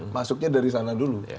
masuknya dari sana dulu